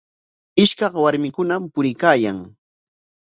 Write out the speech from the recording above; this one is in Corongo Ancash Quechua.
Ishkaq warmikunam puriykaayan.